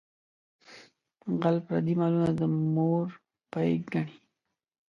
غل پردي مالونه د مور پۍ ګڼي.